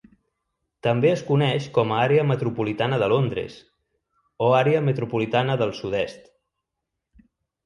També es coneix com a àrea metropolitana de Londres, o àrea metropolitana del sud-est.